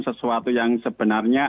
sesuatu yang sebenarnya